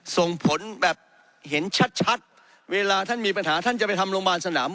ส่งผลแบบเห็นชัดชัดเวลาท่านมีปัญหาท่านจะไปทำโรงพยาบาลสนาม